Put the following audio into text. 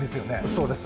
そうです。